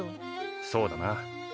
そうだな。